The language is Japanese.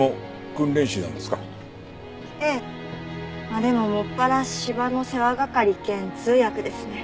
まあでも専ら斯波の世話係兼通訳ですね。